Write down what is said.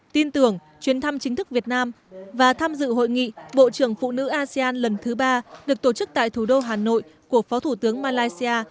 tin tưởng chuyến thăm chính thức việt nam và tham dự hội nghị bộ trưởng phụ nữ asean lần thứ ba được tổ chức tại thủ đô hà nội của phó thủ tướng malaysia